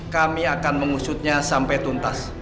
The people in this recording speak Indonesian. kami akan mengusutnya sampai tuntas